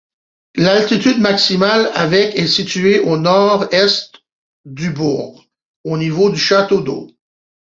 L'altitude maximale avec est située au nord-est du bourg, au niveau du château d'eau.